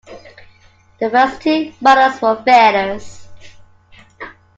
The first two models were failures.